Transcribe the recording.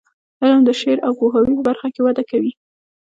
علم د شعور او پوهاوي په برخه کې وده ورکوي.